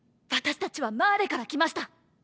私たちはマーレから来ました！